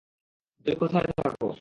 তুমি কোথায় থাক?